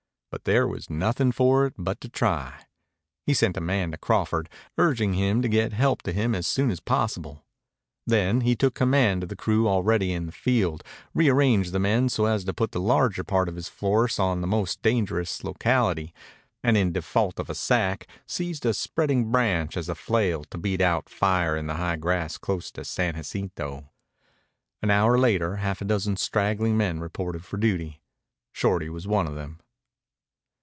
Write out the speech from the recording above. But there was nothing for it but to try. He sent a man to Crawford, urging him to get help to him as soon as possible. Then he took command of the crew already in the field, rearranged the men so as to put the larger part of his force in the most dangerous locality, and in default of a sack seized a spreading branch as a flail to beat out fire in the high grass close to San Jacinto. An hour later half a dozen straggling men reported for duty. Shorty was one of them.